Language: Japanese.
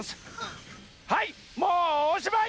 はいもうおしまい！